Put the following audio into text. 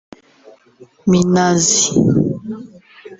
Minazi